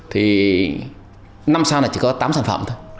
thì năm sao là chỉ có tám sản phẩm thôi